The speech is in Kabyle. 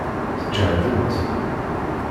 Sǧehdemt!